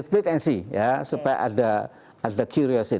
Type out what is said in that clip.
wait and see ya supaya ada curiosity